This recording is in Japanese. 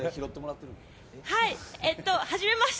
はじめまして。